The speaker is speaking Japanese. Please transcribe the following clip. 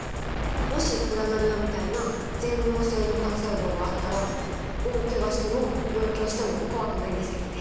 もしプラナリアみたいな全能性の幹細胞があったら大けがしても病気をしても怖くないんですけどね。